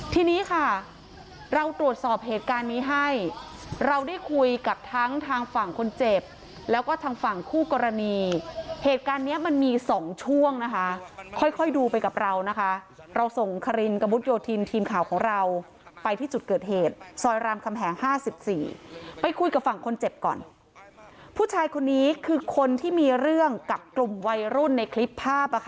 ทีนี้ค่ะเราตรวจสอบเหตุการณ์นี้ให้เราได้คุยกับทั้งทางฝั่งคนเจ็บแล้วก็ทางฝั่งคู่กรณีเหตุการณ์เนี้ยมันมีสองช่วงนะคะค่อยค่อยดูไปกับเรานะคะเราส่งคารินกระมุดโยธินทีมข่าวของเราไปที่จุดเกิดเหตุซอยรามคำแหงห้าสิบสี่ไปคุยกับฝั่งคนเจ็บก่อนผู้ชายคนนี้คือคนที่มีเรื่องกับกลุ่มวัยรุ่นในคลิปภาพอ่ะค่ะ